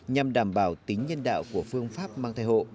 nhằm đảm bảo tính nhân đạo của phương pháp mang thai hộ